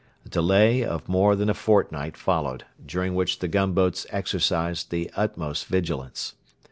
A delay of more than a fortnight followed, during which the gunboats exercised the utmost vigilance.